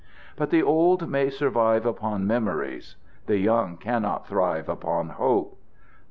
But the old may survive upon memories; the young cannot thrive upon hope.